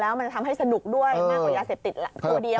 แล้วมันจะทำให้สนุกด้วยมากกว่ายาเสพติดตัวเดียว